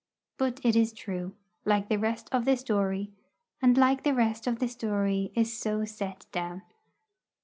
But it is true, like the rest of the story, and like the rest of the story is so set down.